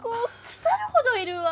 腐るほどいるわ。